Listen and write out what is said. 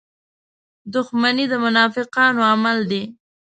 • دښمني د منافقانو عمل دی.